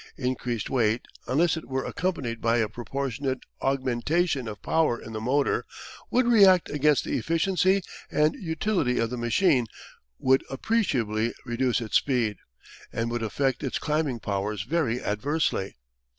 Increased weight, unless it were accompanied by a proportionate augmentation of power in the motor, would react against the efficiency and utility of the machine, would appreciably reduce its speed, and would affect its climbing powers very adversely.